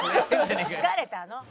疲れたの。